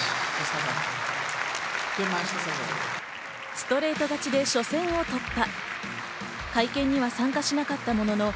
ストレート勝ちで初戦を突破。